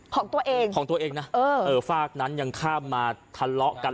ของตัวเองของตัวเองนะเออเออฝากนั้นยังข้ามมาทะเลาะกัน